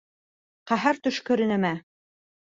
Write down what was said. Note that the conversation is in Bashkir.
— Ҡәһәр төшкөрө нәмә!